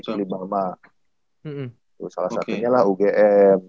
salah satunya lah ugm